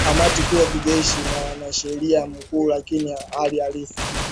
Kamati kuu ya kijeshi na mwanasheria mkuu lakini hali halisi